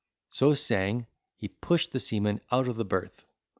So saying, he pushed the seaman out of the berth.